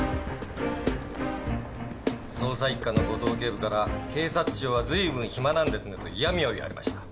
捜査一課の五島警部から警察庁は随分暇なんですねと嫌みを言われました。